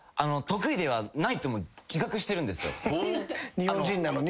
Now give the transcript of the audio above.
日本人なのに？